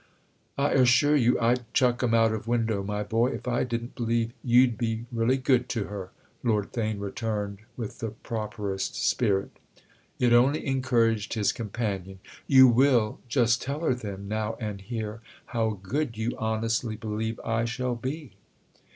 "I assure you I'd chuck 'em out of window, my boy, if I didn't believe you'd be really good to her," Lord Theign returned with the properest spirit. It only encouraged his companion. "You will just tell her then, now and here, how good you honestly believe I shall be?"